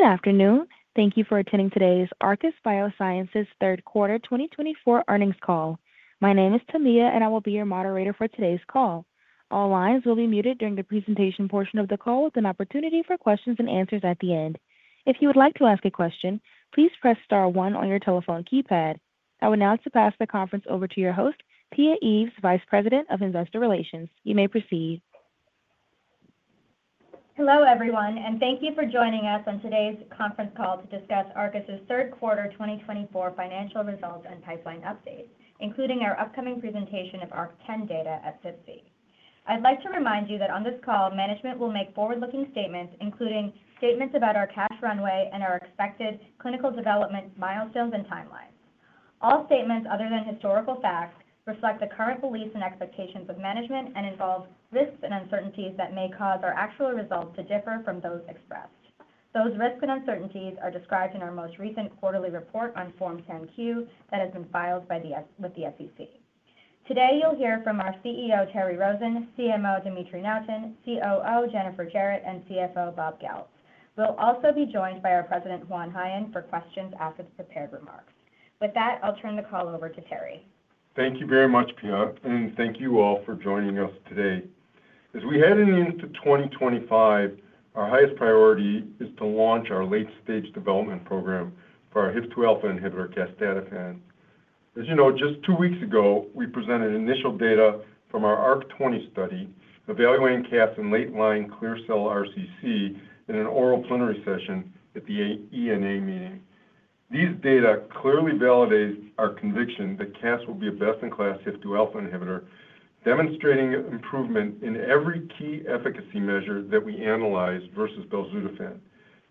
Good afternoon. Thank you for attending today's Arcus Biosciences Third Quarter 2024 Earnings Call. My name is Tamia, and I will be your moderator for today's call. All lines will be muted during the presentation portion of the call with an opportunity for Q&A at the end. If you would like to ask a question, please press star one on your telephone keypad. I will now pass the conference over to your host, Pia Eaves, Vice President of Investor Relations. You may proceed. Hello, everyone, and thank you for joining us on today's conference call to discuss Arcus's Third Quarter 2024 Financial Results and Pipeline Updates, including our upcoming presentation of ARC-10 data at SITC. I'd like to remind you that on this call, management will make forward-looking statements, including statements about our cash runway and our expected clinical development milestones and timelines. All statements, other than historical facts, reflect the current beliefs and expectations of management and involve risks and uncertainties that may cause our actual results to differ from those expressed. Those risks and uncertainties are described in our most recent quarterly report on Form 10-Q that has been filed with the SEC. Today, you'll hear from our CEO, Terry Rosen; CMO, Dimitry Nuyten; COO, Jennifer Jarrett; and CFO, Bob Goeltz. We'll also be joined by our President, Juan Jaen, for questions after the prepared remarks. With that, I'll turn the call over to Terry. Thank you very much, Pia, and thank you all for joining us today. As we head into 2025, our highest priority is to launch our late-stage development program for our HIF-2alpha inhibitor, casdatifan. As you know, just two weeks ago, we presented initial data from our ARC-20 study evaluating casdatifan in late-line clear cell RCC in an oral plenary session at the ENA meeting. These data clearly validate our conviction that casdatifan will be a best-in-class HIF-2alpha inhibitor, demonstrating improvement in every key efficacy measure that we analyze versus belzutifan.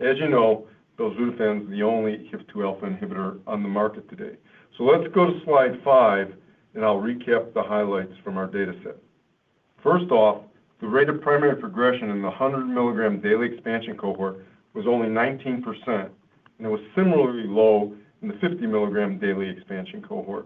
As you know, belzutifan is the only HIF-2alpha inhibitor on the market today. So let's go to slide five, and I'll recap the highlights from our data set. First off, the rate of primary progression in the 100-milligram daily expansion cohort was only 19%, and it was similarly low in the 50-milligram daily expansion cohort.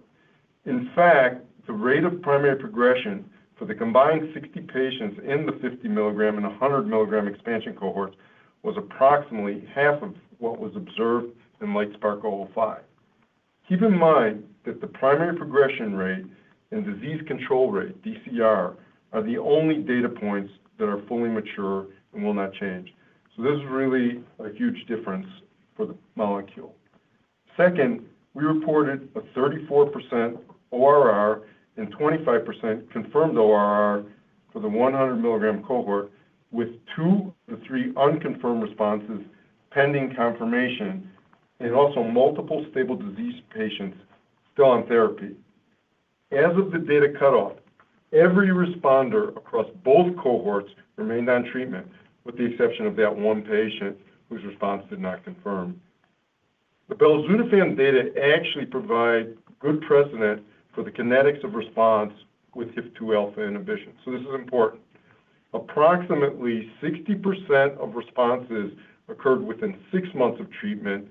In fact, the rate of primary progression for the combined 60 patients in the 50-milligram and 100-milligram expansion cohorts was approximately half of what was observed in LITESPARK-005. Keep in mind that the primary progression rate and disease control rate, DCR, are the only data points that are fully mature and will not change. So this is really a huge difference for the molecule. Second, we reported a 34% ORR and 25% confirmed ORR for the 100-milligram cohort, with two of the three unconfirmed responses pending confirmation, and also multiple stable disease patients still on therapy. As of the data cutoff, every responder across both cohorts remained on treatment, with the exception of that one patient whose response did not confirm. The belzutifan data actually provide good precedent for the kinetics of response with HIF-2alpha inhibition. So this is important. Approximately 60% of responses occurred within six months of treatment,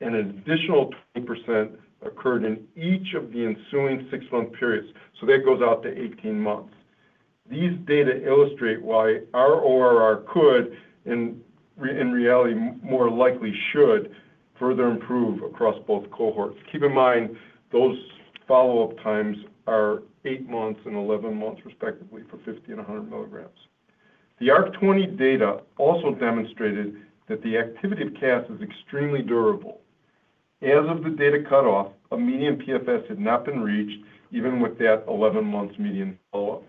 and an additional 20% occurred in each of the ensuing six-month periods, so that goes out to 18 months. These data illustrate why our ORR could, and in reality, more likely should, further improve across both cohorts. Keep in mind those follow-up times are eight months and 11 months, respectively, for 50 and 100 milligrams. The ARC-20 data also demonstrated that the activity of casdatifan is extremely durable. As of the data cutoff, a median PFS had not been reached, even with that 11-month median follow-up.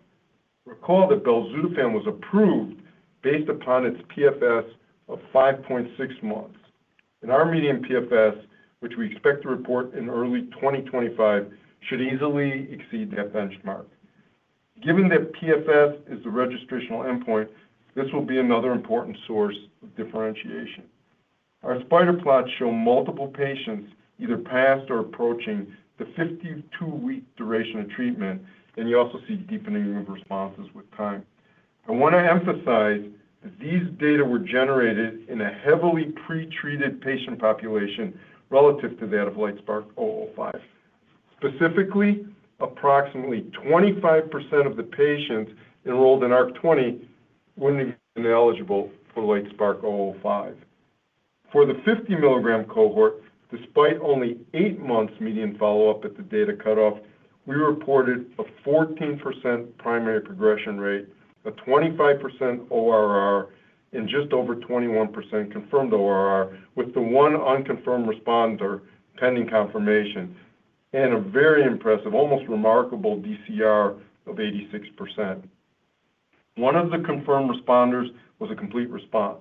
Recall that belzutifan was approved based upon its PFS of 5.6 months, and our median PFS, which we expect to report in early 2025, should easily exceed that benchmark. Given that PFS is the registrational endpoint, this will be another important source of differentiation. Our spider plots show multiple patients either past or approaching the 52-week duration of treatment, and you also see deepening of responses with time. I want to emphasize that these data were generated in a heavily pretreated patient population relative to that of LITESPARK-005. Specifically, approximately 25% of the patients enrolled in ARC-20 wouldn't have been eligible for LITESPARK-005. For the 50-milligram cohort, despite only eight months' median follow-up at the data cutoff, we reported a 14% primary progression rate, a 25% ORR, and just over 21% confirmed ORR, with the one unconfirmed responder pending confirmation, and a very impressive, almost remarkable DCR of 86%. One of the confirmed responders was a complete response.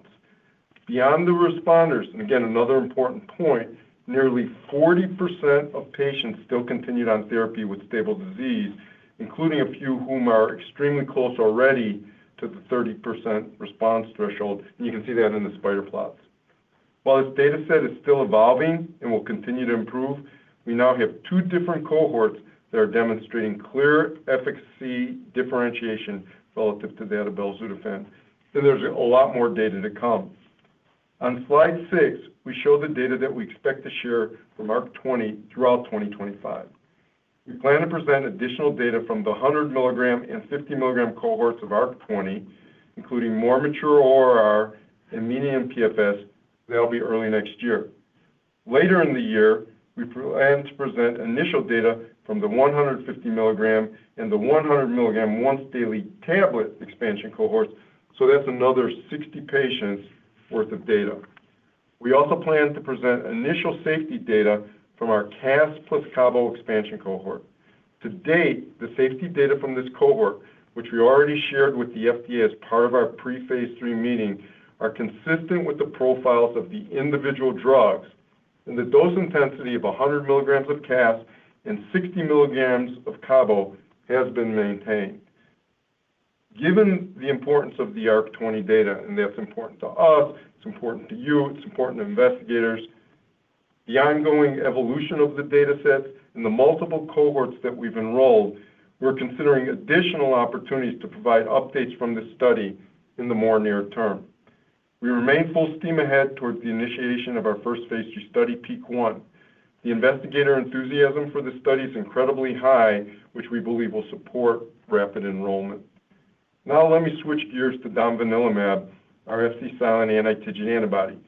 Beyond the responders, and again, another important point, nearly 40% of patients still continued on therapy with stable disease, including a few who are extremely close already to the 30% response threshold. You can see that in the spider plots. While this data set is still evolving and will continue to improve, we now have two different cohorts that are demonstrating clear efficacy differentiation relative to that of belzutifan. There's a lot more data to come. On slide six, we show the data that we expect to share from ARC-20 throughout 2025. We plan to present additional data from the 100-milligram and 50-milligram cohorts of ARC-20, including more mature ORR and median PFS. That'll be early next year. Later in the year, we plan to present initial data from the 150-milligram and the 100-milligram once-daily tablet expansion cohorts. So that's another 60 patients' worth of data. We also plan to present initial safety data from our Cas plus cabo expansion cohort. To date, the safety data from this cohort, which we already shared with the FDA as part of our pre-phase 3 meeting, are consistent with the profiles of the individual drugs, and the dose intensity of 100 milligrams of casdatifan and 60 milligrams of cabozantinib has been maintained. Given the importance of the ARC-20 data, and that's important to us, it's important to you, it's important to investigators, the ongoing evolution of the data sets and the multiple cohorts that we've enrolled, we're considering additional opportunities to provide updates from this study in the more near term. We remain full steam ahead towards the initiation of our first phase 2 study, PEAK-1. The investigator enthusiasm for this study is incredibly high, which we believe will support rapid enrollment. Now, let me switch gears to domvanilimab, our Fc-silent anti-TIGIT antibody.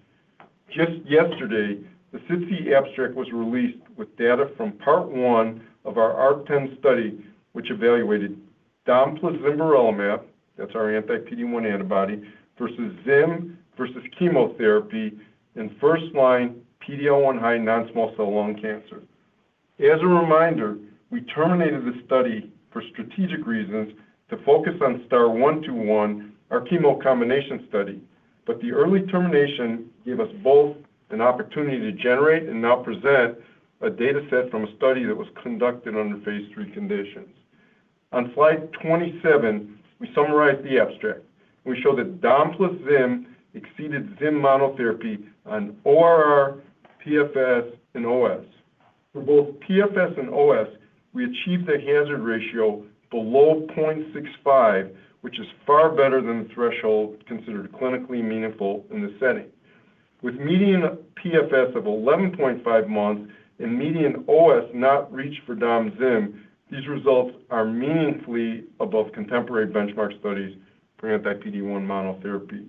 Just yesterday, the SITC abstract was released with data from part one of our ARC-10 study, which evaluated dom plus zimberelimab, that's our anti-PD-1 antibody, versus Zim versus chemotherapy in first-line PD-L1 high non-small cell lung cancer. As a reminder, we terminated the study for strategic reasons to focus on STAR-121, our chemo combination study. But the early termination gave us both an opportunity to generate and now present a data set from a study that was conducted under phase three conditions. On slide 27, we summarize the abstract. We show that dom plus Zim exceeded Zim monotherapy on ORR, PFS, and OS. For both PFS and OS, we achieved a hazard ratio below 0.65, which is far better than the threshold considered clinically meaningful in this setting. With median PFS of 11.5 months and median OS not reached for dom Zim, these results are meaningfully above contemporary benchmark studies for anti-PD-1 monotherapy.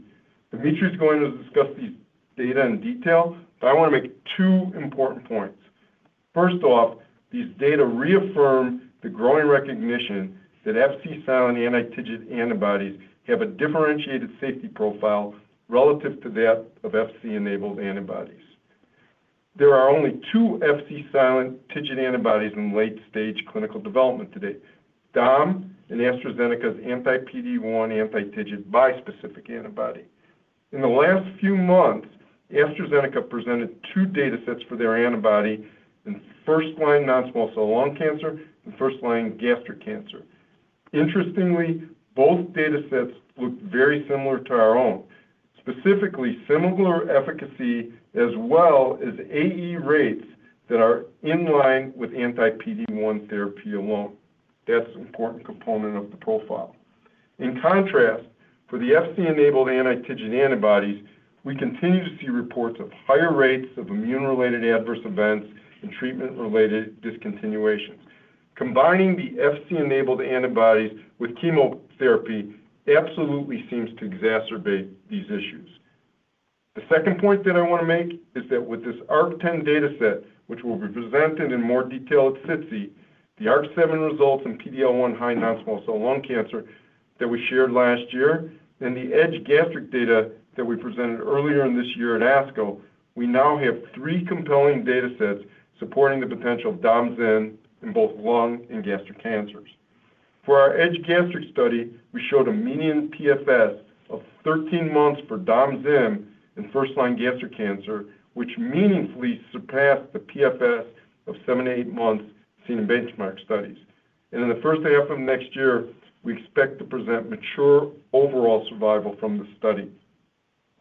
Dimitry is going to discuss these data in detail, but I want to make two important points. First off, these data reaffirm the growing recognition that Fc-silent anti-TIGIT antibodies have a differentiated safety profile relative to that of Fc-enabled antibodies. There are only two Fc-silent TIGIT antibodies in late-stage clinical development today: dom and AstraZeneca's anti-PD-1 anti-TIGIT bispecific antibody. In the last few months, AstraZeneca presented two data sets for their antibody in first-line non-small cell lung cancer and first-line gastric cancer. Interestingly, both data sets looked very similar to our own, specifically similar efficacy as well as AE rates that are in line with anti-PD-1 therapy alone. That's an important component of the profile. In contrast, for the Fc-enabled anti-TIGIT antibodies, we continue to see reports of higher rates of immune-related adverse events and treatment-related discontinuations. Combining the Fc-enabled antibodies with chemotherapy absolutely seems to exacerbate these issues. The second point that I want to make is that with this ARC-10 data set, which will be presented in more detail at SITC, the ARC-7 results in PD-L1 high non-small cell lung cancer that we shared last year, and the EDGE-Gastric data that we presented earlier in this year at ASCO, we now have three compelling data sets supporting the potential of dom Zim in both lung and gastric cancers. For our EDGE-Gastric study, we showed a median PFS of 13 months for dom Zim in first-line gastric cancer, which meaningfully surpassed the PFS of seven to eight months seen in benchmark studies. And in the first half of next year, we expect to present mature overall survival from the study.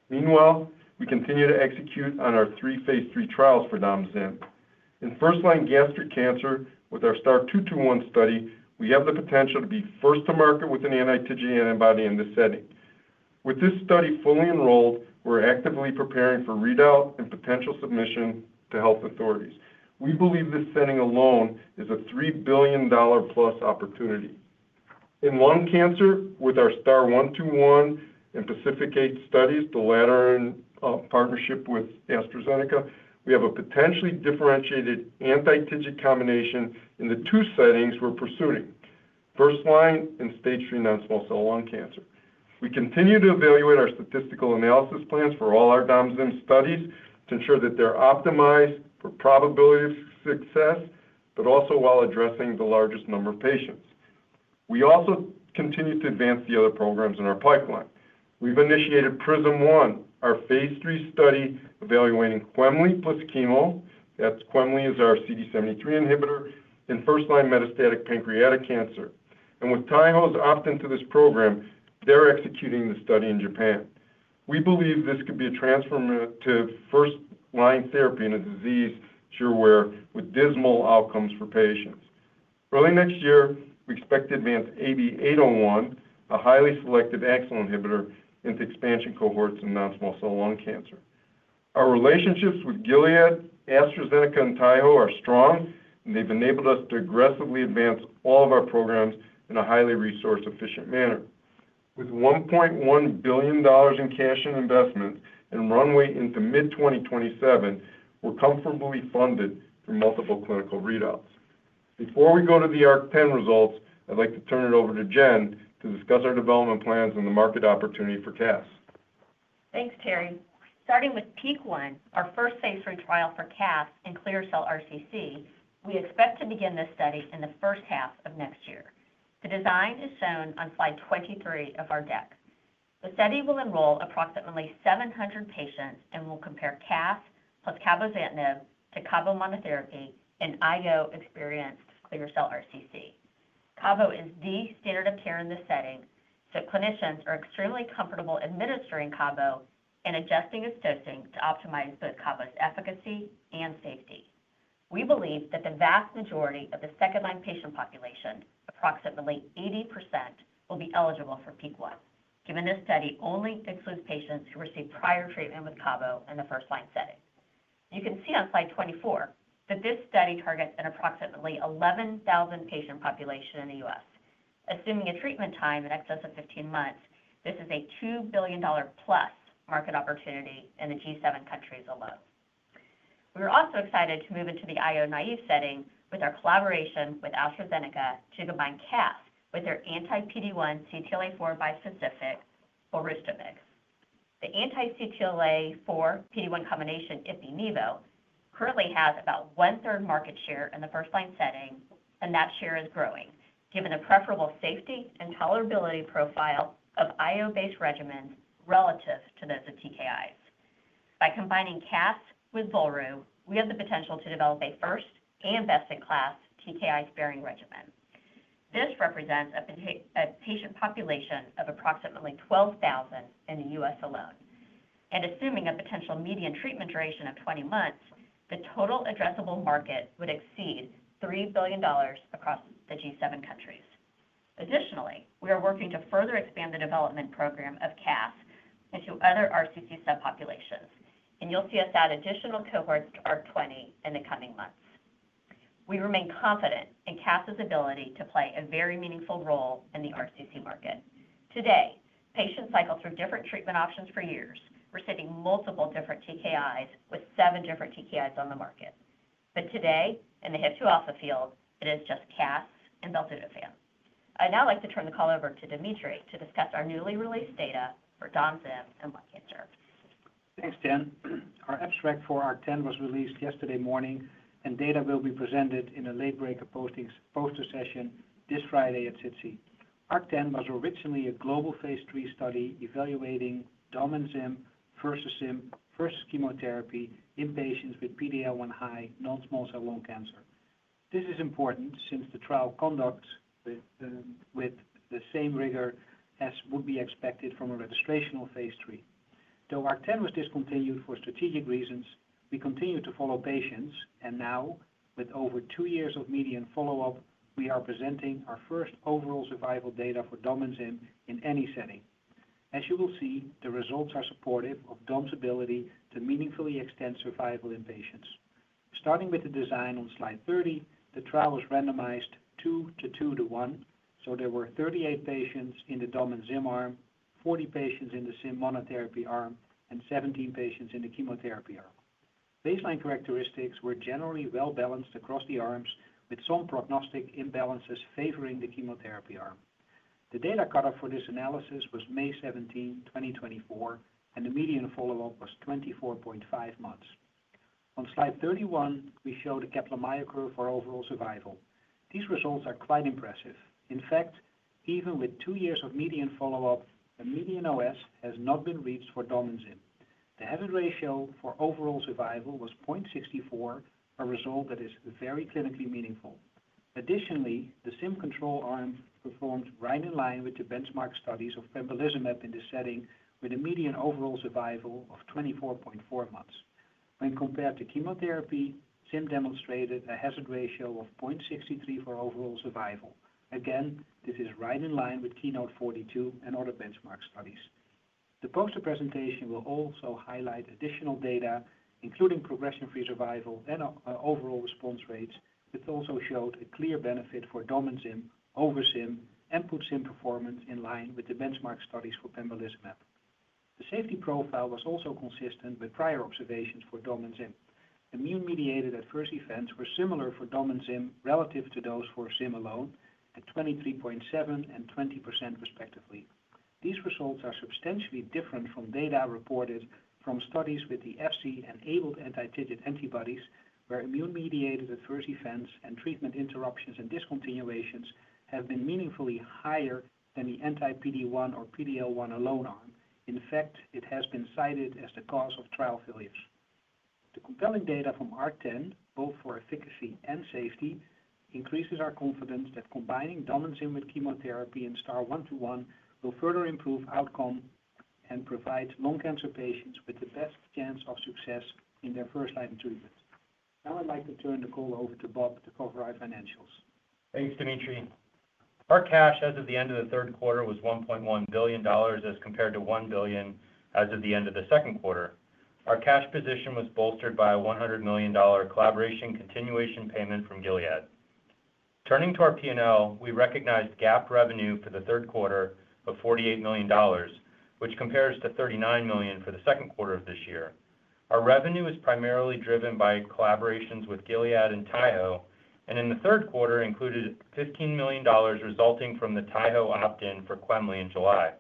Meanwhile, we continue to execute on our three phase 3 trials for dom Zim. In first-line gastric cancer, with our STAR-221 study, we have the potential to be first to market with an anti-TIGIT antibody in this setting. With this study fully enrolled, we're actively preparing for readout and potential submission to health authorities. We believe this setting alone is a $3 billion-plus opportunity. In lung cancer, with our STAR-121 and PACIFIC-8 studies, the latter in partnership with AstraZeneca, we have a potentially differentiated anti-TIGIT combination in the two settings we're pursuing: first-line and stage III non-small cell lung cancer. We continue to evaluate our statistical analysis plans for all our dom Zim studies to ensure that they're optimized for probability of success, but also while addressing the largest number of patients. We also continue to advance the other programs in our pipeline. We've initiated PRISM-1, our phase three study evaluating quemliclustat plus chemo. That's quemliclustat is our CD73 inhibitor in first-line metastatic pancreatic cancer. And with Taiho opted into this program, they're executing the study in Japan. We believe this could be a transformative first-line therapy in a disease you're aware with dismal outcomes for patients. Early next year, we expect to advance AB801, a highly selective Axl inhibitor, into expansion cohorts in non-small cell lung cancer. Our relationships with Gilead, AstraZeneca, and Taiho are strong, and they've enabled us to aggressively advance all of our programs in a highly resource-efficient manner. With $1.1 billion in cash and investment and runway into mid-2027, we're comfortably funded for multiple clinical readouts. Before we go to the ARC-10 results, I'd like to turn it over to Jen to discuss our development plans and the market opportunity for casdatifan. Thanks, Terry. Starting with PEAK-1, our first phase 3 trial for casdatifan and clear cell RCC, we expect to begin this study in the first half of next year. The design is shown on slide 23 of our deck. The study will enroll approximately 700 patients and will compare casdatifan plus cabozantinib to cabo monotherapy and IO-experienced clear cell RCC. Cabo is the standard of care in this setting, so clinicians are extremely comfortable administering cabo and adjusting its dosing to optimize both cabo's efficacy and safety. We believe that the vast majority of the second-line patient population, approximately 80%, will be eligible for PEAK-1, given this study only includes patients who received prior treatment with cabo in the first-line setting. You can see on slide 24 that this study targets an approximately 11,000 patient population in the U.S. Assuming a treatment time in excess of 15 months, this is a $2 billion plus market opportunity in the G7 countries alone. We are also excited to move into the IO naive setting with our collaboration with AstraZeneca to combine casdatifan with their anti-PD-1 CTLA-4 bispecific, volrustomig. The anti-CTLA-4 PD-1 combination Opdivo currently has about one-third market share in the first-line setting, and that share is growing, given the preferable safety and tolerability profile of IO-based regimens relative to those of TKIs. By combining casdatifan with volrustomig, we have the potential to develop a first and best-in-class TKI-sparing regimen. This represents a patient population of approximately 12,000 in the U.S. alone. And assuming a potential median treatment duration of 20 months, the total addressable market would exceed $3 billion across the G7 countries. Additionally, we are working to further expand the development program of casdatifan into other RCC subpopulations. And you'll see us add additional cohorts to ARC-20 in the coming months. We remain confident in casdatifan's ability to play a very meaningful role in the RCC market. Today, patients cycle through different treatment options for years, receiving multiple different TKIs with seven different TKIs on the market. But today, in the HIF-2alpha field, it is just casdatifan and belzutifan. I'd now like to turn the call over to Dimitry to discuss our newly released data for dom Zim in lung cancer. Thanks, Jen. Our abstract for ARC-10 was released yesterday morning, and data will be presented in a late-breaker poster session this Friday at SITC. ARC-10 was originally a global phase three study evaluating dom and Zim versus Zim versus chemotherapy in patients with PD-L1 high non-small cell lung cancer. This is important since the trial conducted with the same rigor as would be expected from a registrational phase three. Though ARC-10 was discontinued for strategic reasons, we continue to follow patients, and now, with over two years of median follow-up, we are presenting our first overall survival data for dom and Zim in any setting. As you will see, the results are supportive of dom's ability to meaningfully extend survival in patients. Starting with the design on slide 30, the trial was randomized two to two to one, so there were 38 patients in the dom and Zim arm, 40 patients in the Zim monotherapy arm, and 17 patients in the chemotherapy arm. Baseline characteristics were generally well-balanced across the arms, with some prognostic imbalances favoring the chemotherapy arm. The data cutoff for this analysis was May 17, 2024, and the median follow-up was 24.5 months. On slide 31, we showed a Kaplan-Meier curve for overall survival. These results are quite impressive. In fact, even with two years of median follow-up, a median OS has not been reached for dom and Zim. The hazard ratio for overall survival was 0.64, a result that is very clinically meaningful. Additionally, the Zim control arm performed right in line with the benchmark studies of pembrolizumab in this setting, with a median overall survival of 24.4 months. When compared to chemotherapy, Zim demonstrated a hazard ratio of 0.63 for overall survival. Again, this is right in line with KEYNOTE-042 and other benchmark studies. The poster presentation will also highlight additional data, including progression-free survival and overall response rates, which also showed a clear benefit for dom and Zim over Zim and put Zim performance in line with the benchmark studies for pembrolizumab. The safety profile was also consistent with prior observations for dom and Zim. Immune-mediated adverse events were similar for dom and Zim relative to those for Zim alone, at 23.7% and 20% respectively. These results are substantially different from data reported from studies with the Fc-enabled anti-TIGIT antibodies, where immune-mediated adverse events and treatment interruptions and discontinuations have been meaningfully higher than the anti-PD-1 or PD-L1 alone arm. In fact, it has been cited as the cause of trial failures. The compelling data from ARC-10, both for efficacy and safety, increases our confidence that combining dom and Zim with chemotherapy in STAR-121 will further improve outcome and provide lung cancer patients with the best chance of success in their first-line treatment. Now I'd like to turn the call over to Bob to cover our financials. Thanks, Dimitry. Our cash as of the end of the third quarter was $1.1 billion as compared to $1 billion as of the end of the second quarter. Our cash position was bolstered by a $100 million collaboration continuation payment from Gilead. Turning to our P&L, we recognized GAAP revenue for the third quarter of $48 million, which compares to $39 million for the second quarter of this year. Our revenue is primarily driven by collaborations with Gilead and Taiho, and in the third quarter, included $15 million resulting from the Taiho opt-in for quemliclustat in July.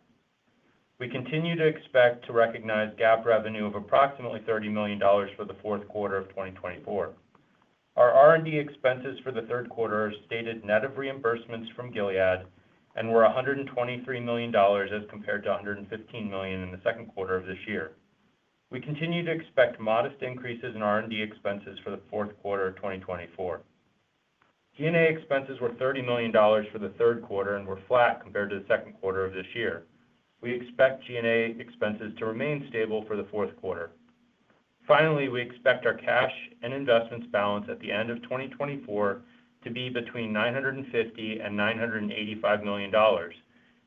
We continue to expect to recognize GAAP revenue of approximately $30 million for the fourth quarter of 2024. Our R&D expenses for the third quarter are stated net of reimbursements from Gilead and were $123 million as compared to $115 million in the second quarter of this year. We continue to expect modest increases in R&D expenses for the fourth quarter of 2024. G&A expenses were $30 million for the third quarter and were flat compared to the second quarter of this year. We expect G&A expenses to remain stable for the fourth quarter. Finally, we expect our cash and investments balance at the end of 2024 to be between $950 and $985 million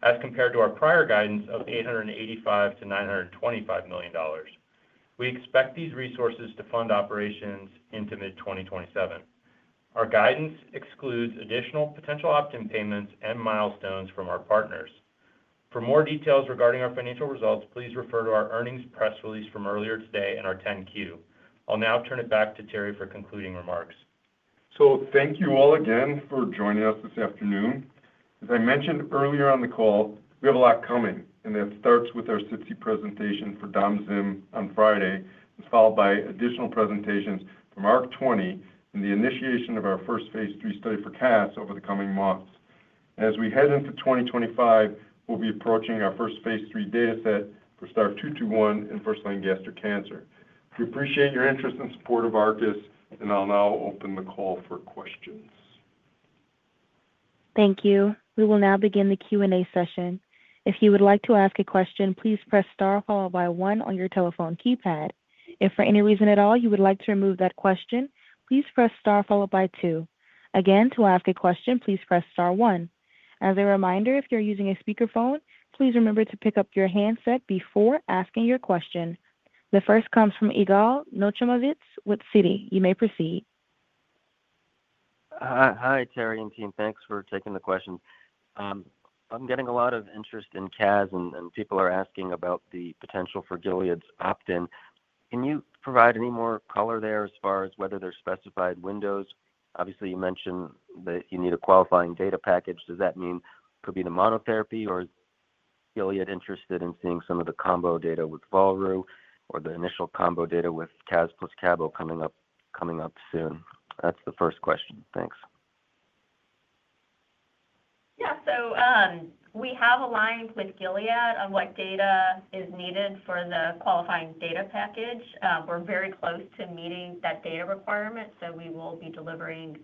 as compared to our prior guidance of $885 to $925 million. We expect these resources to fund operations into mid-2027. Our guidance excludes additional potential opt-in payments and milestones from our partners. For more details regarding our financial results, please refer to our earnings press release from earlier today in our 10-Q. I'll now turn it back to Terry for concluding remarks. So thank you all again for joining us this afternoon. As I mentioned earlier on the call, we have a lot coming, and that starts with our SITC presentation for dom Zim on Friday, followed by additional presentations from ARC-20 and the initiation of our first phase three study for casdatifan over the coming months. As we head into 2025, we'll be approaching our first phase 3 data set for STAR-221 in first-line gastric cancer. We appreciate your interest and support of Arcus, and I'll now open the call for questions. Thank you. We will now begin the Q&A session. If you would like to ask a question, please press star followed by one on your telephone keypad. If for any reason at all you would like to remove that question, please press star followed by two. Again, to ask a question, please press star one. As a reminder, if you're using a speakerphone, please remember to pick up your handset before asking your question. The first comes from Yigal Nochomovitz with Citi. You may proceed. Hi, Terry and team. Thanks for taking the question. I'm getting a lot of interest in Cas, and people are asking about the potential for Gilead's opt-in. Can you provide any more color there as far as whether there's specified windows? Obviously, you mentioned that you need a qualifying data package. Does that mean it could be the monotherapy, or is Gilead interested in seeing some of the combo data with volrustomig or the initial combo data with Cas plus Cabo coming up coming up soon? That's the first question. Thanks. Yeah, so we have aligned with Gilead on what data is needed for the qualifying data package. We're very close to meeting that data requirement, so we will be delivering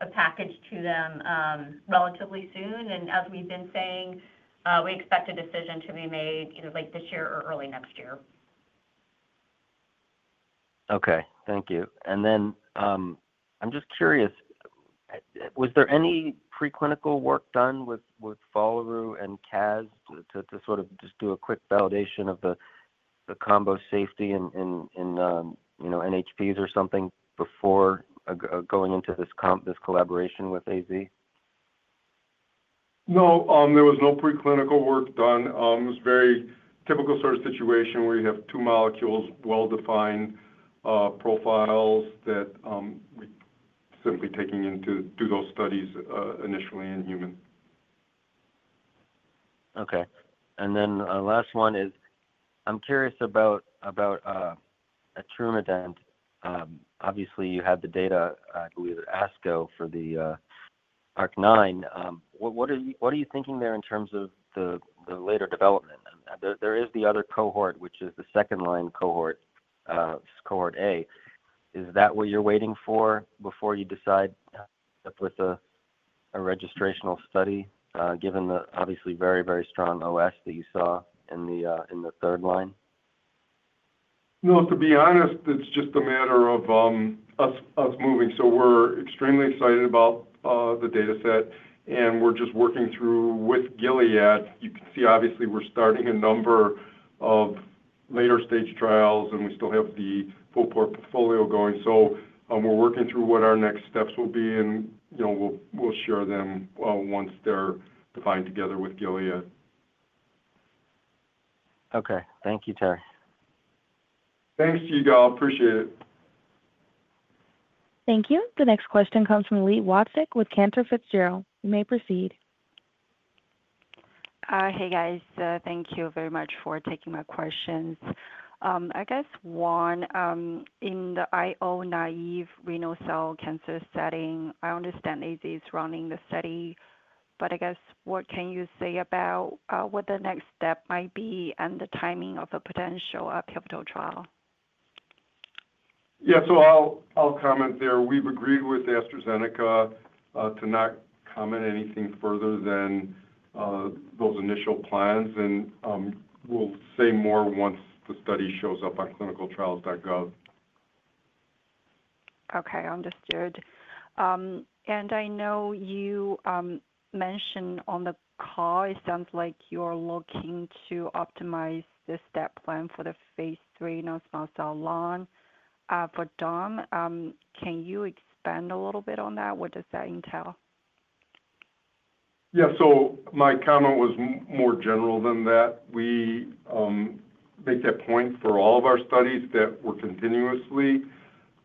a package to them relatively soon. And as we've been saying, we expect a decision to be made either late this year or early next year. Okay. Thank you. And then I'm just curious. Was there any preclinical work done with volrustomig and Cas to sort of just do a quick validation of the combo safety in in in NHPs or something before going into this collaboration with AZ? No. There was no preclinical work done. It was a very typical sort of situation where you have two molecules, well-defined profiles that we're simply taking into those studies initially in human. Okay. And then our last one is I'm curious about about etrumadenant. Obviously, you had the data, I believe, at ASCO for the ARC-9. What what are you thinking there in terms of the later development? There is the other cohort, which is the second-line cohort, cohort A. Is that what you're waiting for before you decide with a registrational study, given the obviously very, very strong OS that you saw in the in the third line? No. To be honest, it's just a matter of us moving. So we're extremely excited about the data set, and we're just working through with Gilead. You can see, obviously, we're starting a number of later-stage trials, and we still have the full portfolio going. So we're working through what our next steps will be, and we'll share them once they're defined together with Gilead. Okay. Thank you, Terry. Thanks to you, Yigal. Appreciate it. Thank you. The next question comes from Li Watsek with Cantor Fitzgerald. You may proceed. Hey, guys. Thank you very much for taking my questions. I guess, one, in the IO naive renal cell cancer setting, I understand AZ is running the study, but I guess what can you say about what the next step might be and the timing of a potential pivotal trial? Yeah. So so I'll comment there. We've agreed with AstraZeneca to not comment anything further than those initial plans, and we'll say more once the study shows up on clinicaltrials.gov. Okay. Understood. And I know you mentioned on the call, it sounds like you're looking to optimize the step plan for the phase three non-small cell lung for dom. Can you expand a little bit on that? What does that entail? Yeah. So my comment was more general than that. We make that point for all of our studies that we're continuously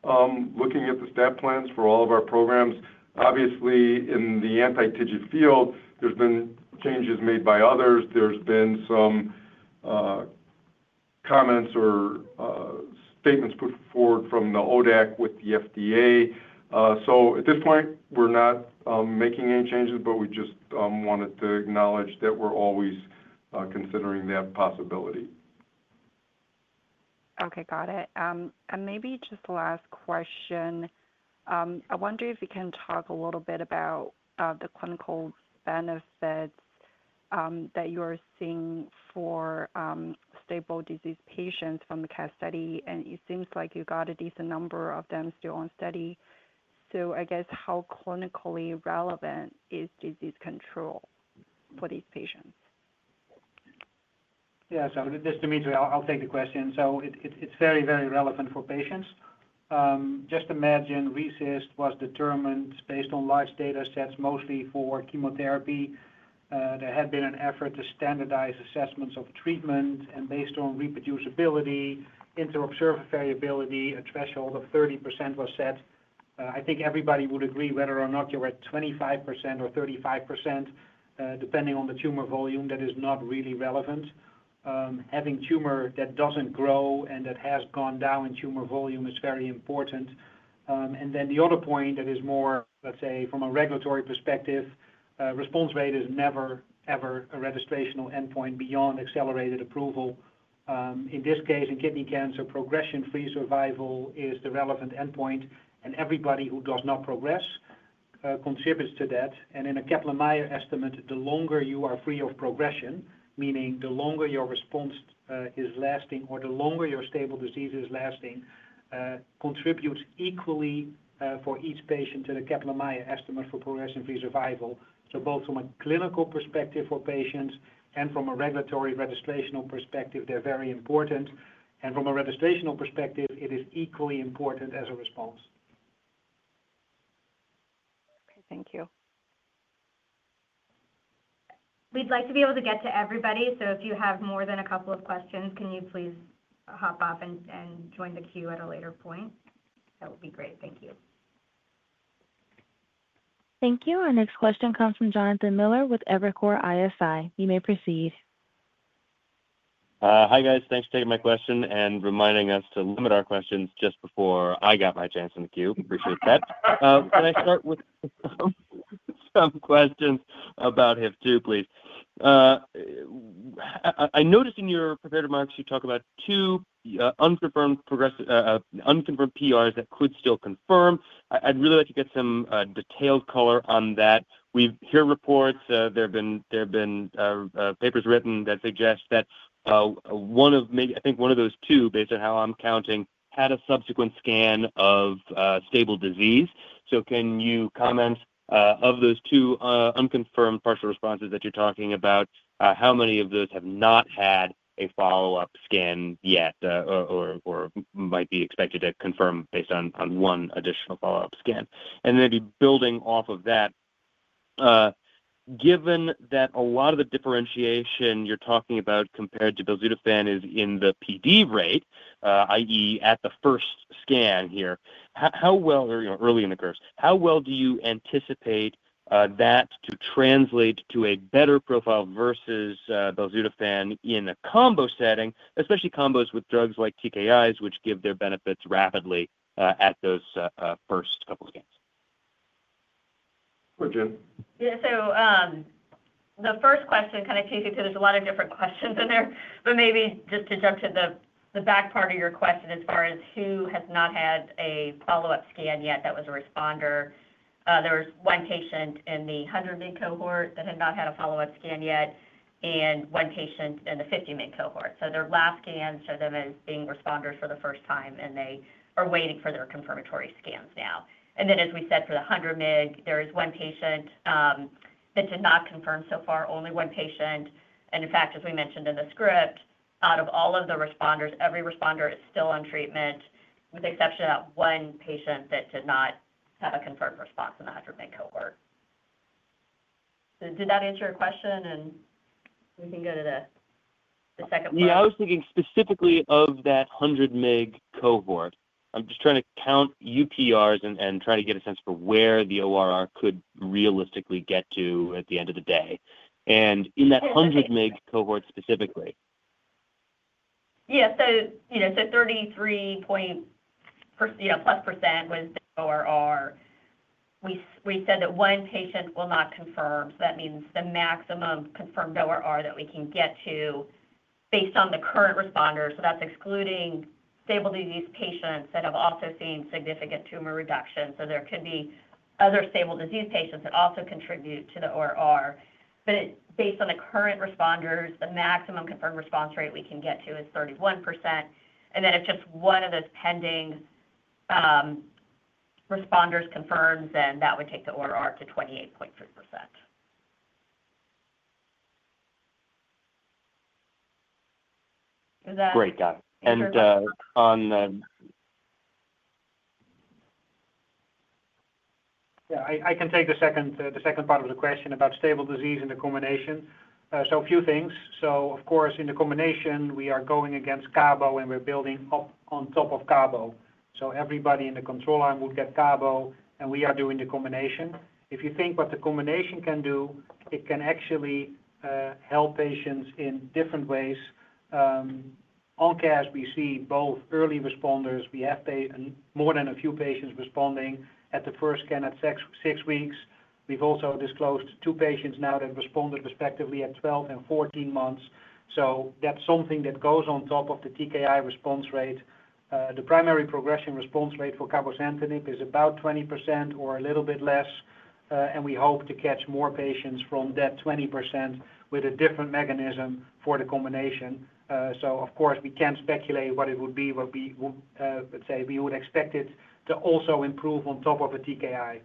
looking at the step plans for all of our programs. Obviously, in the anti-TIGIT field, there's been changes made by others. There's been some comments or statements put forward from the ODAC with the FDA. So at this point, we're not making any changes, but we just wanted to acknowledge that we're always considering that possibility. Okay. Got it. And maybe just the last question. I wonder if you can talk a little bit about the clinical benefits that you're seeing for stable disease patients from the Cas study, and it seems like you got a decent number of them still on study. So I guess how clinically relevant is disease control for these patients? Yeah. So just to be clear, I'll take the question. So it's very, very relevant for patients. Just imagine RECIST was determined based on large data sets, mostly for chemotherapy. There had been an effort to standardize assessments of treatment, and based on reproducibility, inter-observer variability, a threshold of 30% was set. I think everybody would agree whether or not you're at 25% or 35%, depending on the tumor volume. That is not really relevant. Having tumor that doesn't grow and that has gone down in tumor volume is very important. And then the other point that is more, let's say, from a regulatory perspective, response rate is never, ever a registrational endpoint beyond accelerated approval. In this case, in kidney cancer, progression-free survival is the relevant endpoint, and everybody who does not progress contributes to that. And in a Kaplan-Meier estimate, the longer you are free of progression, meaning the longer your response is lasting or the longer your stable disease is lasting, contributes equally for each patient to the Kaplan-Meier estimate for progression-free survival. So both from a clinical perspective for patients and from a regulatory registrational perspective, they're very important. And from a registrational perspective, it is equally important as a response. Okay. Thank you. We'd like to be able to get to everybody. So if you have more than a couple of questions, can you please hop off and join the queue at a later point? That would be great. Thank you. Thank you. Our next question comes from Jonathan Miller with Evercore ISI. You may proceed. Hi, guys. Thanks for taking my question and reminding us to limit our questions just before I got my chance in the queue. Appreciate that. Can I start with some questions about HIF2, please? I noticed in your prepared remarks, you talk about two unconfirmed PRs that could still confirm. I'd really like to get some detailed color on that. We hear reports. There have been, there have been papers written that suggest that one of, I think one of those two, based on how I'm counting, had a subsequent scan of stable disease. So can you comment, of those two unconfirmed partial responses that you're talking about, how many of those have not had a follow-up scan yet or or or might be expected to confirm based on one additional follow-up scan? Then maybe building off of that, given that a lot of the differentiation you're talking about compared to belzutifan is in the PD rate, i.e., at the first scan here, how well or early in the course, how well do you anticipate that to translate to a better profile versus belzutifan in a combo setting, especially combos with drugs like TKIs, which give their benefits rapidly at those first couple of scans? Go ahead, Jen. Yeah. So the first question kind of takes you to there's a lot of different questions in there, but maybe just to jump to the back part of your question as far as who has not had a follow-up scan yet that was a responder. There was one patient in the 100-mg cohort that had not had a follow-up scan yet and one patient in the 50-mg cohort. Their last scans show them as being responders for the first time, and they are waiting for their confirmatory scans now. And then, as we said, for the 100-mg, there is one patient that did not confirm so far, only one patient. And in fact, as we mentioned in the script, out of all of the responders, every responder is still on treatment with the exception of that one patient that did not have a confirmed response in the 100-mg cohort. Did that answer your question? And we can go to the second part. Yeah. I was thinking specifically of that 100-mg cohort. I'm just trying to count UPRs and try to get a sense for where the ORR could realistically get to at the end of the day. And in that 100-mg cohort specifically. Yeah. So 33+% was the ORR. We said that one patient will not confirm. So that means the maximum confirmed ORR that we can get to based on the current responders. So that's excluding stable disease patients that have also seen significant tumor reduction. So there could be other stable disease patients that also contribute to the ORR. But based on the current responders, the maximum confirmed response rate we can get to is 31%. And then if just one of those pending responders confirms, then that would take the ORR to 28.3%. Great. Got it. Yeah. I can take the second part, second part of the question about stable disease in the combination. So a few things. So of course, in the combination, we are going against Cabo, and we're building up on top of Cabo. So everybody in the control arm would get Cabo, and we are doing the combination. If you think what the combination can do, it can actually help patients in different ways. On casdatifan, we see both early responders. We have more than a few patients responding at the first scan at six weeks. We've also disclosed two patients now that responded respectively at 12 and 14 months. So that's something that goes on top of the TKI response rate. The primary progression response rate for cabozantinib is about 20% or a little bit less, and we hope to catch more patients from that 20% with a different mechanism for the combination. So of course, we can speculate what it would be, but let's say we would expect it to also improve on top of a TKI.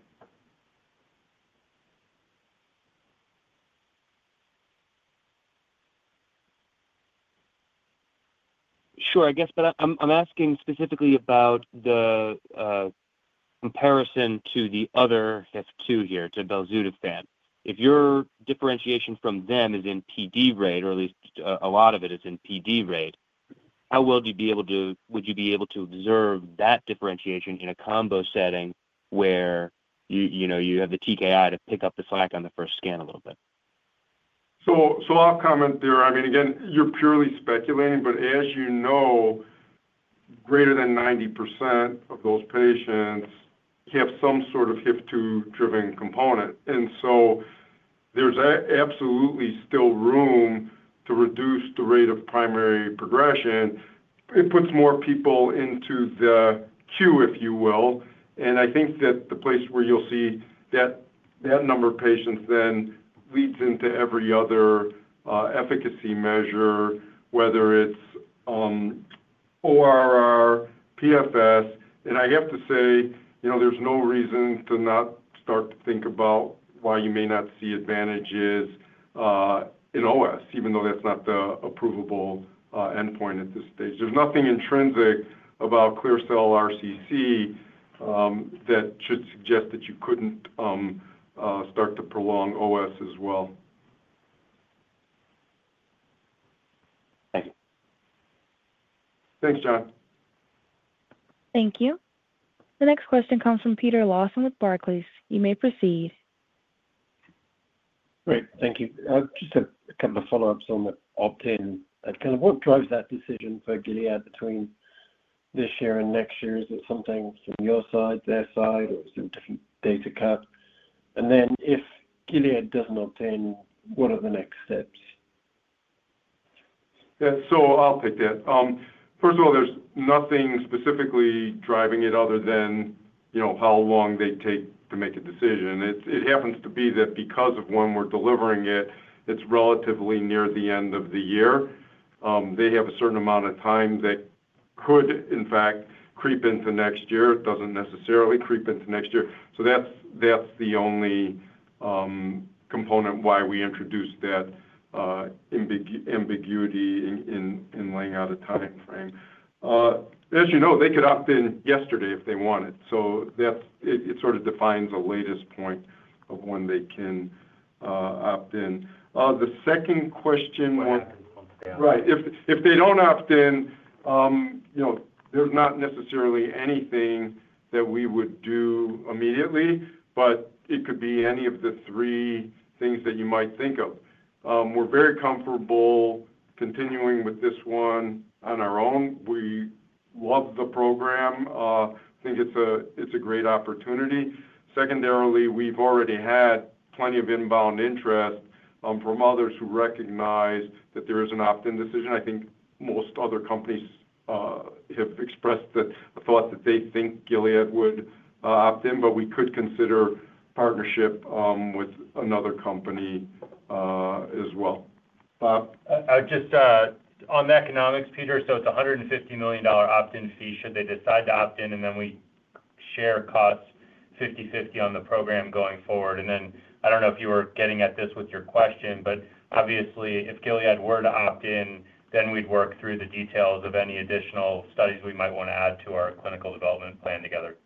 Sure. I guess, but I'm asking specifically about the comparison to the other HIF-2 here, to belzutifan. If your differentiation from them is in PD rate, or at least a lot of it is in PD rate, how well would you be able to observe that differentiation in a combo setting where you have the TKI to pick up the slack on the first scan a little bit? So so, I'll comment there. I mean, again, you're purely speculating, but as you know, greater than 90% of those patients have some sort of HIF-2-driven component. And so there's absolutely still room to reduce the rate of primary progression. It puts more people into the queue, if you will. And I think that the place where you'll see that number of patients then leads into every other efficacy measure, whether it's on ORR, PFS. I have to say there's no reason to not start to think about why you may not see advantages in OS, even though that's not the approvable endpoint at this stage. There's nothing intrinsic about Clear cell RCC that should suggest that you couldn't start to prolong OS as well. Thank you. Thanks, John. Thank you. The next question comes from Peter Lawson with Barclays. You may proceed. Great. Thank you. Just a couple of follow-ups on the opt-in. Kind of what drives that decision for Gilead between this year and next year? Is it something from your side, their side, or is there a different data cut? And then if Gilead doesn't opt-in, what are the next steps? Yeah. So I'll take that. First of all, there's nothing specifically driving it other than how long they take to make a decision. It happens to be that because of when we're delivering it, it's relatively near the end of the year. They have a certain amount of time that could, in fact, creep into next year. It doesn't necessarily creep into next year. So that's that's the only component why we introduced that ambiguity in laying out a timeframe. As you know, they could opt-in yesterday if they wanted. So it sort of defines a latest point of when they can opt-in. The second question. Right. If they don't opt-in, there's not necessarily anything that we would do immediately, but it could be any of the three things that you might think of. We're very comfortable continuing with this one on our own. We love the program. I think it's a, it's a great opportunity. Secondarily, we've already had plenty of inbound interest from others who recognize that there is an opt-in decision. I think most other companies have expressed the thought that they think Gilead would opt-in, but we could consider partnership with another company as well. Just on the economics, Peter, so it's a $150 million opt-in fee should they decide to opt-in, and then we share costs 50/50 on the program going forward. And then I don't know if you were getting at this with your question, but obviously, if Gilead were to opt-in, then we'd work through the details of any additional studies we might want to add to our clinical development plan together.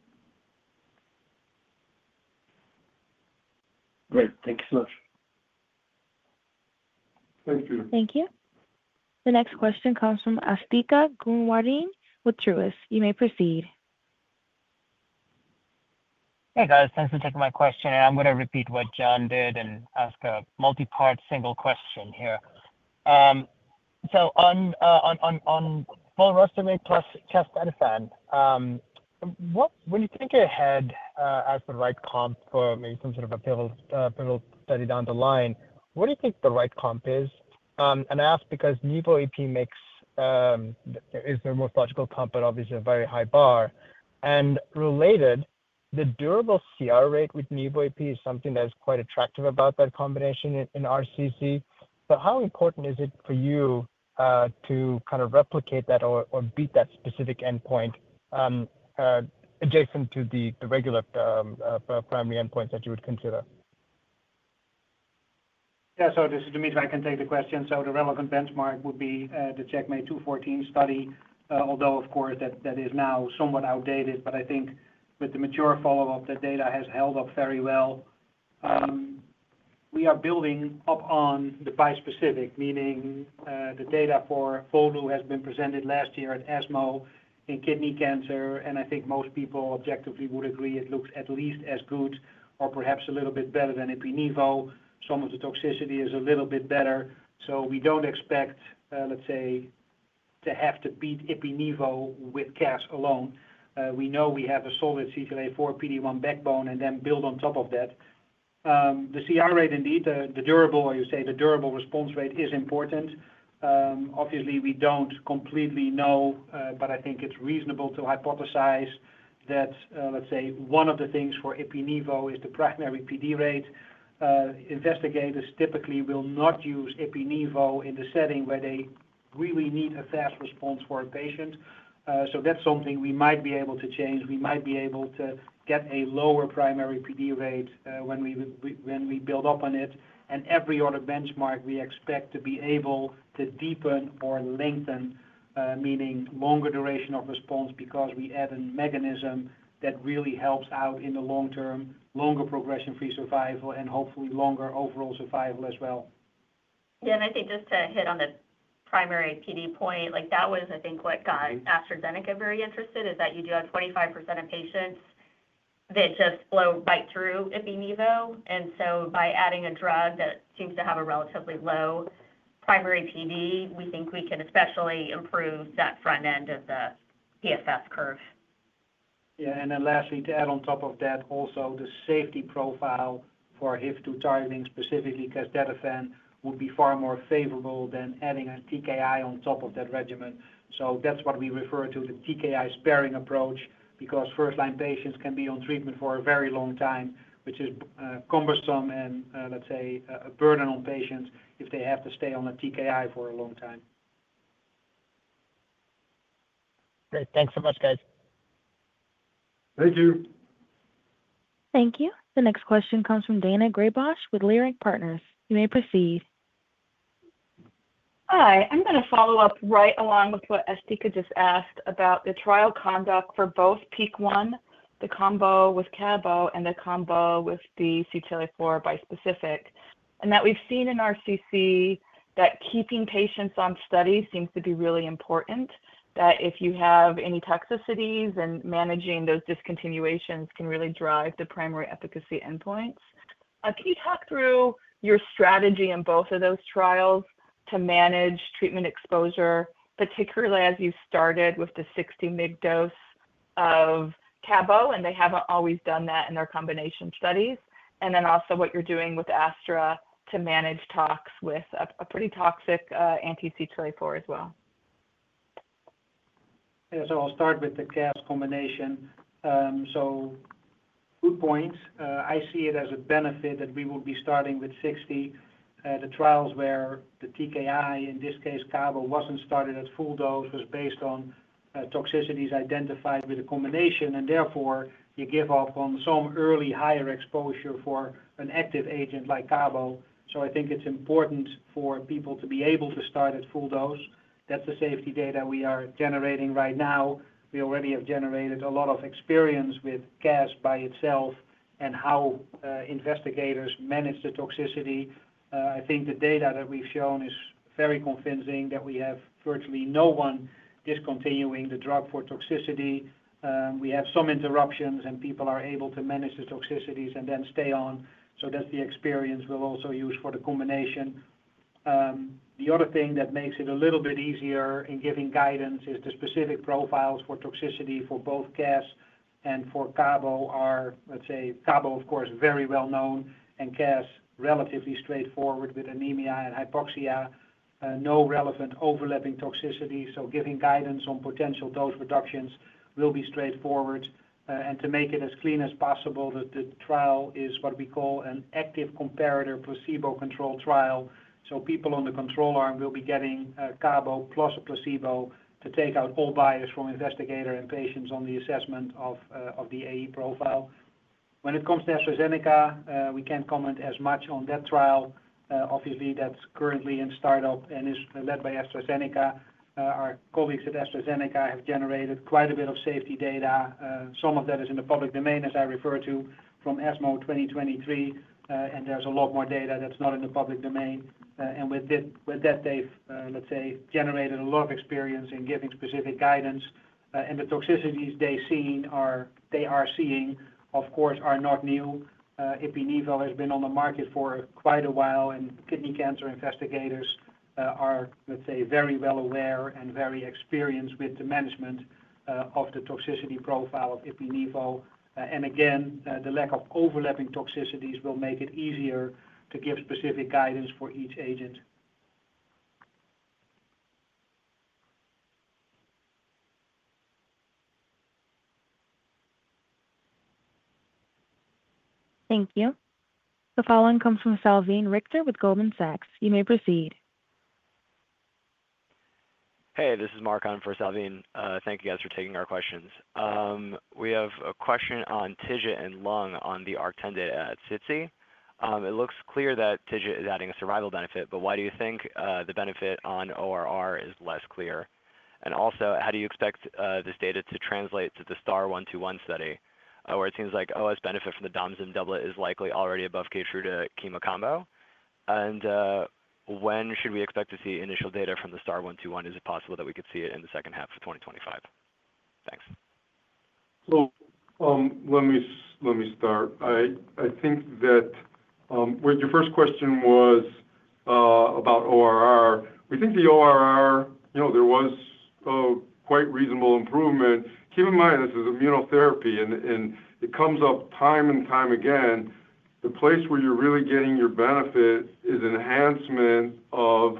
Great. Thank you so much. Thank you. Thank you. The next question comes from Asthika Goonewardene with Truist. You may proceed. Hey, guys. Thanks for taking my question. And I'm going to repeat what John did and ask a multi-part single question here. So on on cabozantinib plus casdatifan, when you think ahead as the right comp for maybe some sort of a pivotal study down the line, what do you think the right comp is? And I ask because nivo + IPI makes it the most logical comp, but obviously a very high bar. And related, the durable CR rate with nivo + IPI is something that is quite attractive about that combination in RCC. But how important is it for you to kind of replicate that or beat that specific endpoint adjacent to the regular primary endpoints that you would consider? Yeah. So just to make sure I can take the question, so the relevant benchmark would be the CheckMate 214 study, although, of course, that is now somewhat outdated. But I think with the mature follow-up, the data has held up very well. We are building up on the bispecific, meaning the data for volrustomig has been presented last year at ESMO in kidney cancer. And I think most people objectively would agree it looks at least as good or perhaps a little bit better than ipi-nivo. Some of the toxicity is a little bit better. So we don't expect, let's say, to have to beat ipi-nivo with Cas alone. We know we have a solid CTLA-4 PD-1 backbone and then build on top of that. The CR rate, indeed, the durable, or you say the durable response rate is important. Obviously, we don't completely know, but I think it's reasonable to hypothesize that, let's say, one of the things for ipi-nivo is the primary PD rate. Investigators typically will not use ipi-nivo in the setting where they really need a fast response for a patient. So that's something we might be able to change. We might be able to get a lower primary PD rate when we, when we build upon it. And every other benchmark, we expect to be able to deepen or lengthen, meaning longer duration of response because we add a mechanism that really helps out in the long term, longer progression-free survival, and hopefully longer overall survival as well. Yeah. And I think just to hit on the primary PD point, that was, I think, what got AstraZeneca very interested, is that you do have 25% of patients that just flow right through Imfinzi. And so by adding a drug that seems to have a relatively low primary PD, we think we can especially improve that front end of the PFS curve. Yeah. And then lastly, to add on top of that, also the safety profile for HIF2 targeting specifically casdatifan would be far more favorable than adding a TKI on top of that regimen. So that's what we refer to the TKI sparing approach because first-line patients can be on treatment for a very long time, which is cumbersome and, let's say, a burden on patients if they have to stay on a TKI for a long time. Great. Thanks so much, guys. Thank you. Thank you. The next question comes from Daina Graybosch with Leerink Partners. You may proceed. Hi. I'm going to follow up right along with what Asthika just asked about the trial conduct for both PEAK-1, the combo with Cabo, and the combo with the CTLA-4 bispecific. And that we've seen in RCC that keeping patients on studies seems to be really important, that if you have any toxicities, then managing those discontinuations can really drive the primary efficacy endpoints. Can you talk through your strategy in both of those trials to manage treatment exposure, particularly as you started with the 60-mg dose of Cabo, and they haven't always done that in their combination studies? And then also what you're doing with Astra to manage tox with a pretty toxic anti-CTLA-4 as well. Yeah. So I'll start with the Cas combination. So good points. I see it as a benefit that we would be starting with 60. The trials where the TKI, in this case Cabo, wasn't started at full dose was based on toxicities identified with a combination. And therefore, you give up on some early higher exposure for an active agent like Cabo. So I think it's important for people to be able to start at full dose. That's the safety data we are generating right now. We already have generated a lot of experience with Cas by itself and how investigators manage the toxicity. I think the data that we've shown is very convincing that we have virtually no one discontinuing the drug for toxicity. We have some interruptions, and people are able to manage the toxicities and then stay on. So that's the experience we'll also use for the combination. The other thing that makes it a little bit easier in giving guidance is the specific profiles for toxicity for both Cas and for Cabo are, let's say, Cabo, of course, very well known, and Cas relatively straightforward with anemia and hypoxia, no relevant overlapping toxicity. So giving guidance on potential dose reductions will be straightforward. And to make it as clean as possible, the trial is what we call an active comparator placebo-controlled trial. So people on the control arm will be getting Cabo plus a placebo to take out all bias from investigator and patients on the assessment of the AE profile. When it comes to AstraZeneca, we can't comment as much on that trial. Obviously, that's currently in startup and is led by AstraZeneca. Our colleagues at AstraZeneca have generated quite a bit of safety data. Some of that is in the public domain, as I referred to, from ESMO 2023. And there's a lot more data that's not in the public domain. And with that, and with that they've, let's say, generated a lot of experience in giving specific guidance. And the toxicities they are seeing, of course, are not new. Ipilimumab has been on the market for quite a while, and kidney cancer investigators are, let's say, very well aware and very experienced with the management of the toxicity profile of ipilimumab. And again, the lack of overlapping toxicities will make it easier to give specific guidance for each agent. Thank you. The following comes from Salveen Richter with Goldman Sachs. You may proceed. Hey, this is Mark on for Salveen. Thank you guys for taking our questions. We have a question on TIGIT and lung on the ARC-10 at SITC. It looks clear that TIGIT is adding a survival benefit, but why do you think the benefit on ORR is less clear? And also, how do you expect this data to translate to the STAR-121 study where it seems like OS benefit from the dom and zim is likely already above Keytruda chemo combo? When should we expect to see initial data from the STAR-121? Is it possible that we could see it in the second half of 2025? Thanks. So let me, let me start. I think that when your first question was about ORR, we think the ORR, there was quite reasonable improvement. Keep in mind, this is immunotherapy, and and it comes up time and time again. The place where you're really getting your benefit is enhancement of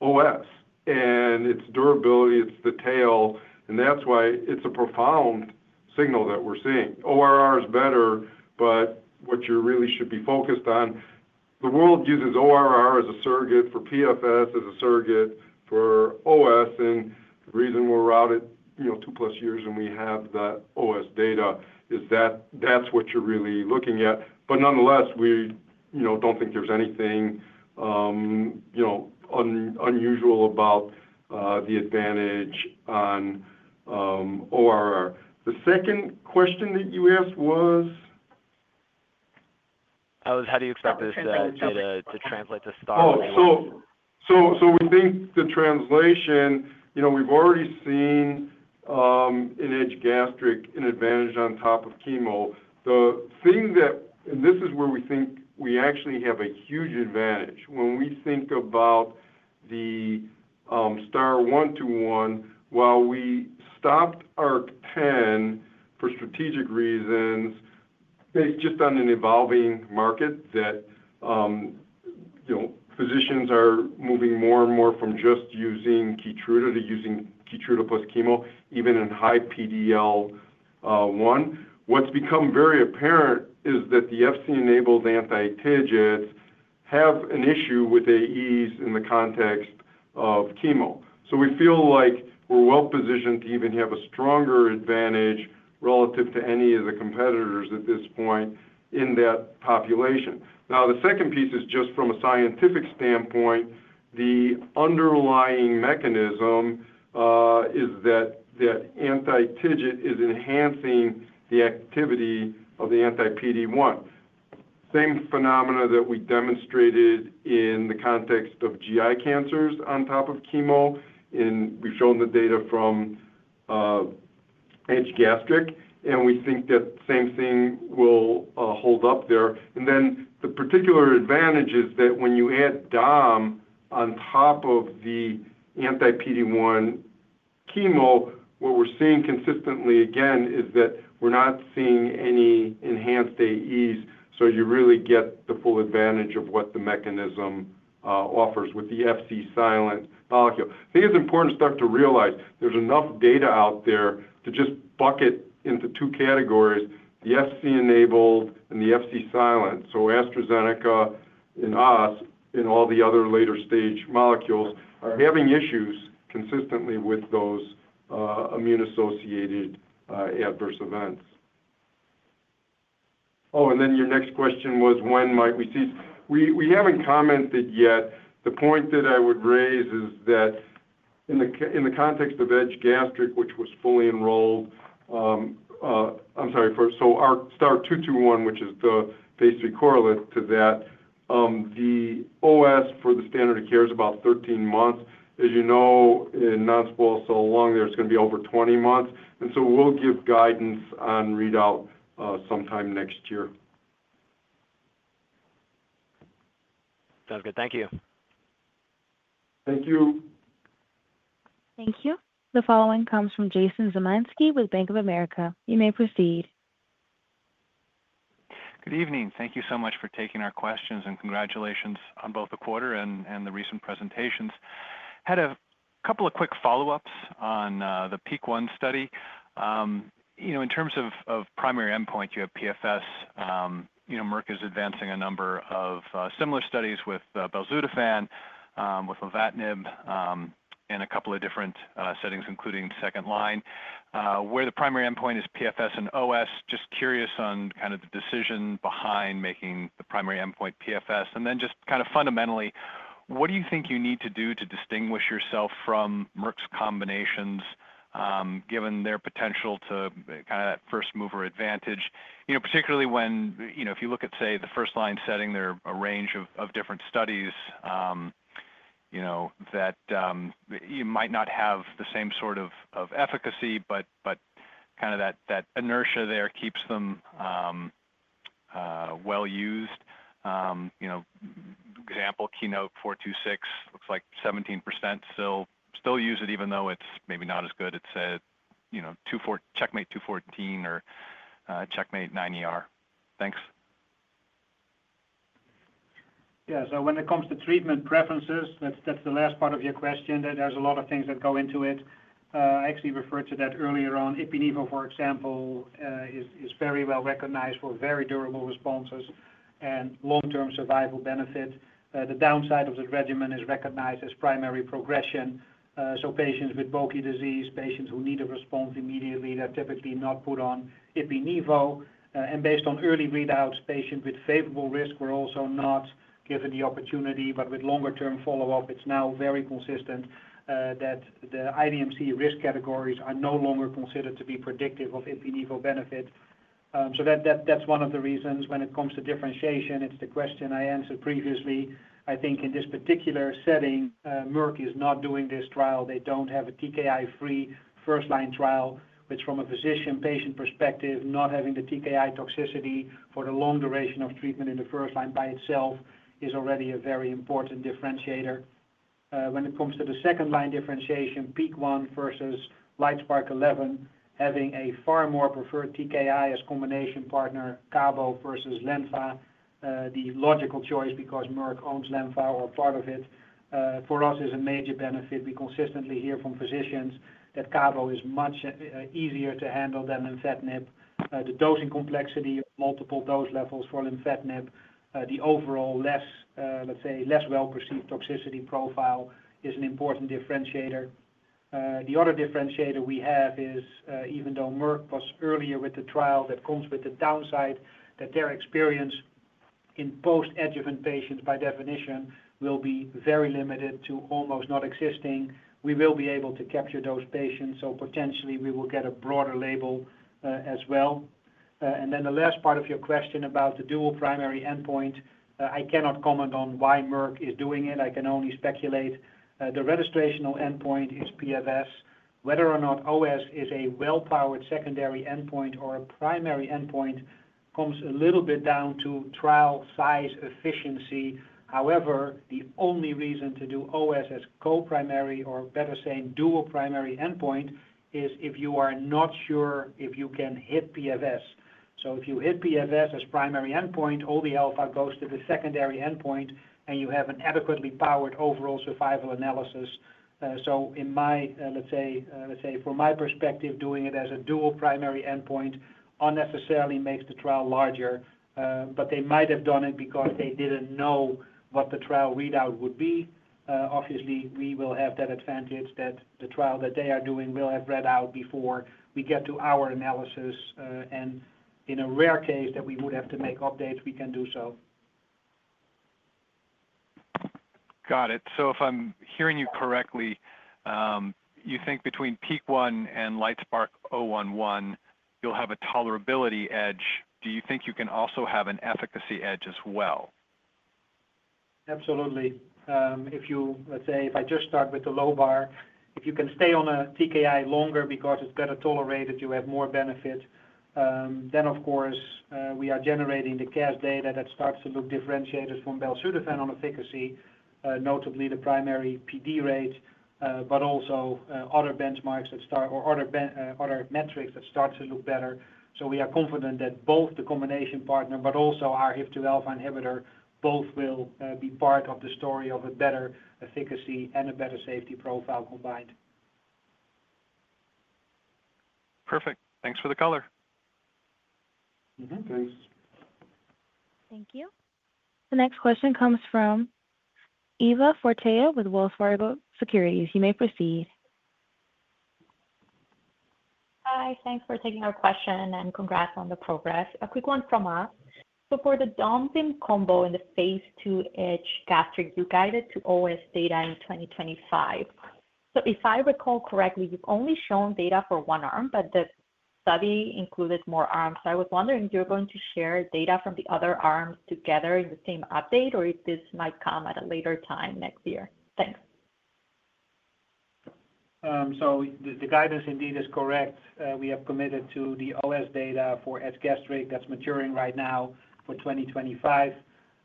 OS, and its durability, it's the tail. That's why it's a profound signal that we're seeing. ORR is better, but what you really should be focused on, the world uses ORR as a surrogate for PFS, as a surrogate for OS. The reason we're out at two-plus years and we have that OS data is that that's what you're really looking at. But nonetheless, we don't think there's anything, you know, unusual about the advantage on ORR. The second question that you asked was, how do you expect this data to translate to STAR-121? Oh, so so we think the translation, we've already seen in EDGE-Gastric an advantage on top of chemo. The thing that, and this is where we think we actually have a huge advantage. When we think about the STAR-121, while we stopped ARC-10 for strategic reasons, based just on an evolving market that physicians are moving more and more from just using Keytruda to using Keytruda plus chemo, even in high PD-L1, what's become very apparent is that the Fc-enabled anti-TIGIT have an issue with AEs in the context of chemo. So we feel like we're well-positioned to even have a stronger advantage relative to any of the competitors at this point in that population. Now, the second piece is just from a scientific standpoint, the underlying mechanism is that that anti-TIGIT is enhancing the activity of the anti-PD-1. Same phenomena that we demonstrated in the context of GI cancers on top of chemo. And we've shown the data from EDGE-Gastric, and we think that same thing will hold up there. And then the particular advantage is that when you add DOM on top of the anti-PD-1 chemo, what we're seeing consistently again is that we're not seeing any enhanced AEs. So you really get the full advantage of what the mechanism offers with the Fc-silent molecule. I think it's important stuff to realize there's enough data out there to just bucket into two categories, the Fc-enabled and the Fc-silent. So AstraZeneca and us, and all the other later-stage molecules are having issues consistently with those immune-associated adverse events. Oh, and then your next question was, when might we see? We haven't commented yet. The point that I would raise is that in the context of EDGE-Gastric, which was fully enrolled, I'm sorry, so our STAR-221, which is the phase 3 correlate to that, the OS for the standard of care is about 13 months. As you know, in non-small cell lung, there's going to be over 20 months. And so we'll give guidance on readout sometime next year. Sounds good. Thank you. Thank you. Thank you. The following comes from Jason Zemansky with Bank of America. You may proceed. Good evening. Thank you so much for taking our questions and congratulations on both the quarter and the recent presentations. Had a couple of quick follow-ups on the PEAK-1 study. You know, in terms of primary endpoint, you have PFS. Merck is advancing a number of similar studies with belzutifan, with lenvatinib, and a couple of different settings, including second line. Where the primary endpoint is PFS and OS, just curious on kind of the decision behind making the primary endpoint PFS. And then just kind of fundamentally, what do you think you need to do to distinguish yourself from Merck's combinations given their potential to kind of that first-mover advantage, particularly when if you look at, say, the first-line setting, there are a range of different studies, you know, that you might not have the same sort of efficacy, but but kind of that inertia there keeps them well-used. You know, example, KEYNOTE-426, looks like 17% still use it, even though it's maybe not as good. It said, you know, CheckMate 214 or CheckMate 9ER. Thanks. Yeah. So when it comes to treatment preferences, that's the last part of your question. There's a lot of things that go into it. I actually referred to that earlier on. Ipi-nivo, for example, is very well recognized for very durable responses and long-term survival benefit. The downside of the regimen is recognized as primary progression. So patients with bulky disease, patients who need a response immediately, they're typically not put on Ipi-nivo. And based on early readouts, patients with favorable risk were also not given the opportunity, but with longer-term follow-up, it's now very consistent that the IMDC risk categories are no longer considered to be predictive of Ipi-nivo benefit. So that's one of the reasons when it comes to differentiation, it's the question I answered previously. I think in this particular setting, Merck is not doing this trial. They don't have a TKI-free first-line trial, which from a physician-patient perspective, not having the TKI toxicity for the long duration of treatment in the first line by itself is already a very important differentiator. When it comes to the second-line differentiation, PEAK-1 versus LITESPARK-011, having a far more preferred TKI as combination partner, Cabo versus Lenvima, the logical choice because Merck owns Lenvima or part of it, for us is a major benefit. We consistently hear from physicians that Cabo is much easier to handle than Lenvima. The dosing complexity of multiple dose levels for Lenvima, the overall, let's say, less well-perceived toxicity profile is an important differentiator. The other differentiator we have is, even though Merck was earlier with the trial, that comes with the downside that their experience in post-adjuvant patients by definition will be very limited to almost non-existing. We will be able to capture those patients, so potentially we will get a broader label as well. And then the last part of your question about the dual primary endpoint, I cannot comment on why Merck is doing it. I can only speculate. The registrational endpoint is PFS. Whether or not OS is a well-powered secondary endpoint or a primary endpoint comes a little bit down to trial size efficiency. However, the only reason to do OS as co-primary or better saying dual primary endpoint is if you are not sure if you can hit PFS. So if you hit PFS as primary endpoint, all the alpha goes to the secondary endpoint, and you have an adequately powered overall survival analysis. And so, in my, let's say, let's say from my perspective, doing it as a dual primary endpoint unnecessarily makes the trial larger, but they might have done it because they didn't know what the trial readout would be. Obviously, we will have that advantage that the trial that they are doing will have read out before we get to our analysis. And in a rare case that we would have to make updates, we can do so. Got it. So if I'm hearing you correctly, you think between PEAK-1 and LITESPARK-011, you'll have a tolerability edge. Do you think you can also have an efficacy edge as well? Absolutely. If you, let's say, if I just start with the low bar, if you can stay on a TKI longer because it's better tolerated, you have more benefit. Then, of course, we are generating the casdatifan data that starts to look differentiated from belzutifan on efficacy, notably the primary PD rate, but also other benchmarks that start or other metrics that start to look better. So we are confident that both the combination partner, but also our HIF-2alpha inhibitor, both will be part of the story of a better efficacy and a better safety profile combined. Perfect. Thanks for the color. Thanks. Thank you. The next question comes from Eva Privitera with Wells Fargo Securities. You may proceed. Hi. Thanks for taking our question and congrats on the progress. A quick one from us. So for the domvanilimab and combo in the phase 2 EDGE-Gastric, you guided to OS data in 2025. So if I recall correctly, you've only shown data for one arm, but the study included more arms. I was wondering if you're going to share data from the other arms together in the same update or if this mitht come at a later time next year. Thanks. So the guidance indeed is correct. We have committed to the OS data for EDGE-Gastric that's maturing right now for 2025.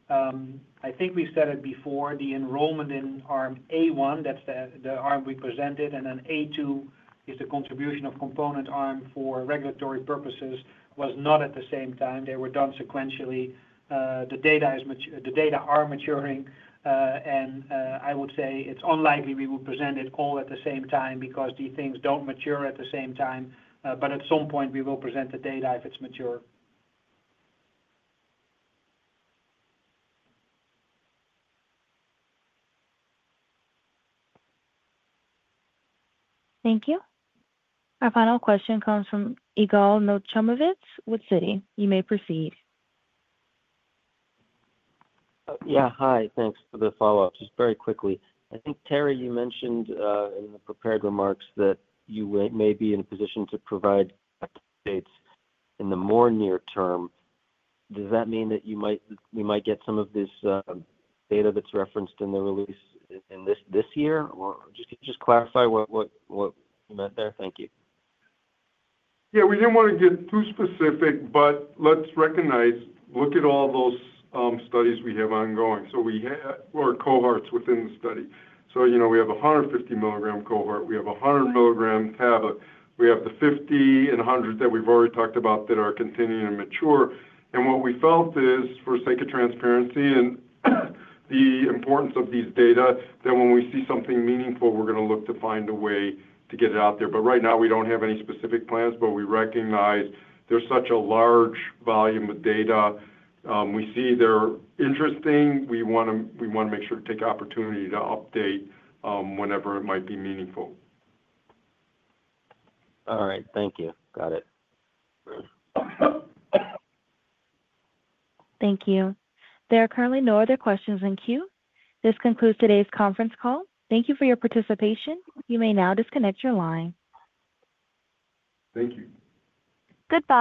I think we said it before, the enrollment in arm A1, that's the arm we presented, and then A2 is the contribution of component arm for regulatory purposes was not at the same time. They were done sequentially. The data, the data are maturing, and I would say it's unlikely we will present it all at the same time because these things don't mature at the same time. But at some point, we will present the data if it's mature. Thank you. Our final question comes from Yigal Nochomovitz with CITI. You may proceed. Yeah. Hi. Thanks for the follow-up. Just very quickly, I think, Terry, you mentioned in the prepared remarks that you may be in a position to provide updates in the more near term. Does that mean that you might, you might get some of this data that's referenced in the release this year? Just clarify what what what you meant there. Thank you. Yeah. We didn't want to get too specific, but let's recognize, look at all those studies we have ongoing. So we have our cohorts within the study. So we have a 150-milligram cohort. We have a 100-milligram tablet. We have the 50 and 100 that we've already talked about that are continuing to mature. And what we felt is for the transparency and the importance of these data, that when we see something meaningful, we're going to look to find a way to get it out there. But right now, we don't have any specific plans, but we recognize there's such a large volume of data. We see they're interesting. We want, we want to make sure to take opportunity to update whenever it might be meaningful. All right. Thank you. Got it. Thank you. There are currently no other questions in queue. This concludes today's conference call. Thank you for your participation. You may now disconnect your line. Thank you. Goodbye.